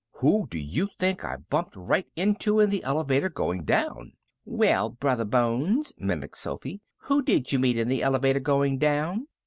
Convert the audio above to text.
Who do you think I bumped right into in the elevator going down?" "Well, Brothah Bones," mimicked Sophy, "who did you meet in the elevator going down?"